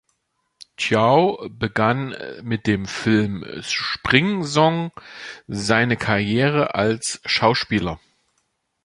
Chiao begann mit dem Film "Spring Song" seine Karriere als Schauspieler.